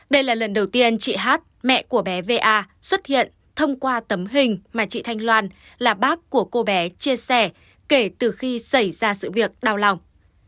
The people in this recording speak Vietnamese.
đây là lần đầu tiên chị hát mẹ của bé va xuất hiện thông qua tấm hình mà chị thanh loan là bác của cô bé chia sẻ kể từ khi xảy ra sự việc đau lòng